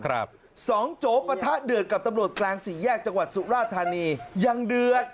สองโจปะทะเดือดกับตำรวจกลางสี่แยกจังหวัดสุราธานียังเดือด